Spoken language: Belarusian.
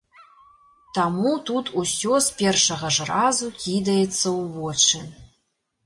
Таму тут усё з першага ж разу кідаецца ў вочы.